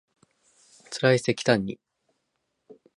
つらいせきたんに